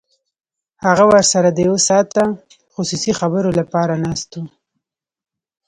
هغه ورسره د یو ساعته خصوصي خبرو لپاره ناست و